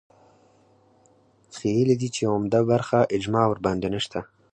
ښييلي دي چې عمده برخه اجماع ورباندې نشته